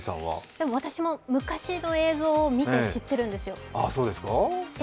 でも、私も昔の映像を見て知っているんですよ。